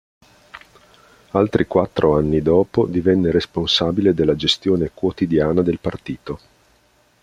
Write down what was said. Altri quattro anni dopo divenne responsabile della gestione quotidiana del partito.